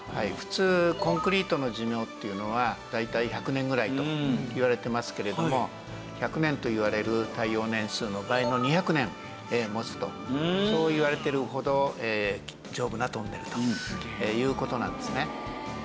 普通コンクリートの寿命っていうのは大体１００年ぐらいといわれてますけれども１００年といわれる対応年数の倍の２００年持つとそういわれてるほど丈夫なトンネルという事なんですね。